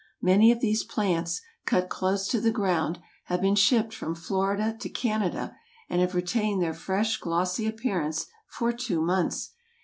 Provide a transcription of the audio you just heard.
Many of these plants, cut close to the ground, have been shipped from Florida to Canada, and have retained their fresh, glossy appearance for two months.